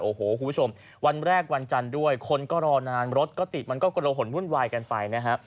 โอ้โหคุณผู้ชมวันแรกวันจันทร์ด้วยคนก็รอนานรถก็ติดมันก็กระหนวุ่นวายกันไปนะฮะ